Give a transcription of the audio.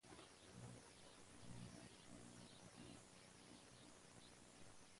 Para la primera carrera en España del año, la decoración del chasis varió ligeramente.